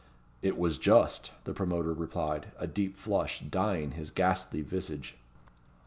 "It was just," the promoter replied, a deep flush dyeing his ghastly visage.